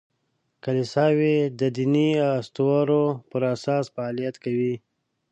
کلیساوې د دیني اسطورو پر اساس فعالیت کوي.